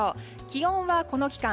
気温はこの期間